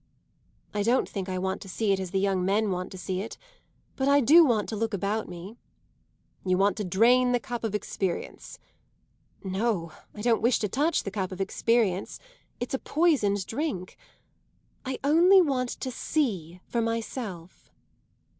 "I don't think I want to see it as the young men want to see it. But I do want to look about me." "You want to drain the cup of experience." "No, I don't wish to touch the cup of experience. It's a poisoned drink! I only want to see for myself."